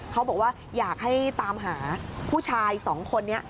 เขาบอกว่าอยากให้ตามหาผู้ชายสองคนนี้